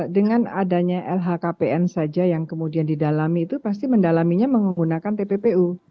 dengan adanya lhkpn saja yang kemudian didalami itu pasti mendalaminya menggunakan tppu